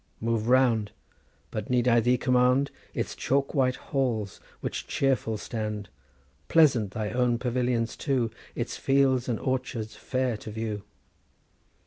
Move round—but need I thee command?— Its chalk white halls, which cheerful stand— Pleasant thy own pavilions too— Its fields and orchards fair to view.